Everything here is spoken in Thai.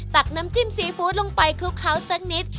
ตักน้ำจิ้มซีฟู้ดลงไปคลุกเคล้าสักนิด